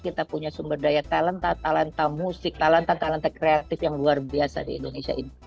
kita punya sumber daya talenta talenta musik talenta talenta kreatif yang luar biasa di indonesia ini